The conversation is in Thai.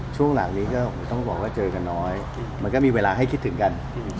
ช่วงหลังนี้ก็ต้องบอกว่าเจอกันน้อยมันก็มีเวลาให้คิดถึงกัน